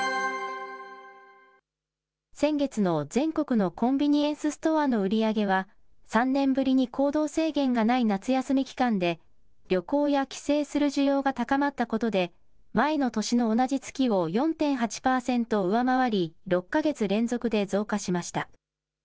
先月の全国のコンビニエンスストアの売り上げは、３年ぶりに行動制限がない夏休み期間で、旅行や帰省する需要が高まったことで、前の年の同じ月を４．８％上回り、６か月連続で増加しました。